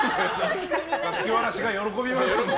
座敷わらしが喜びます。